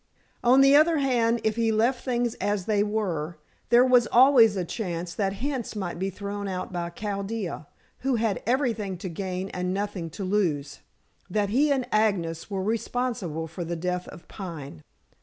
On the other hand, if he left things as they were, there was always a chance that hints might be thrown out by Chaldea who had everything to gain and nothing to lose that he and Agnes were responsible for the death of Pine.